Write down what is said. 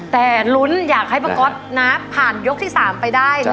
แต่ลุ้นอยากให้ป้าก๊อตนะผ่านยกที่๓ไปได้